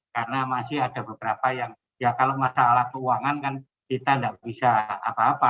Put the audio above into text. karena masih ada beberapa yang ya kalau masalah keuangan kan kita tidak bisa apa apa